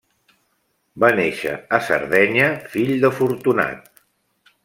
Va néixer a Sardenya, fill de Fortunat.